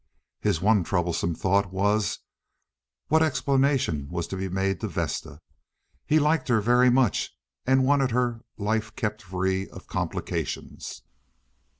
His one troublesome thought was, what explanation was to be made to Vesta. He liked her very much and wanted her "life kept free of complications.